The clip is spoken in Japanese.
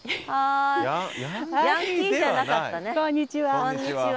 こんにちは。